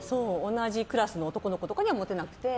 同じクラスの男の子とかにはモテなくて。